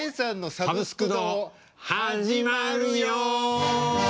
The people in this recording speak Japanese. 「サブスク堂」始まるよ！